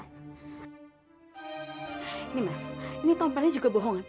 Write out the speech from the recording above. ini mas ini tompelnya juga bohongan